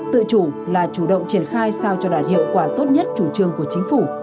tự chủ là chủ động triển khai sao cho đạt hiệu quả tốt nhất chủ trương của chính phủ